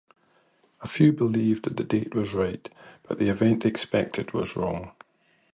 A few believed that the date was right but the event expected was wrong.